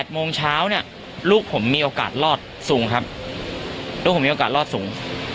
๘โมงเช้านี่หลูกผมมีโอกาสรอดสูงครับรู้เหมือนการรอดสูง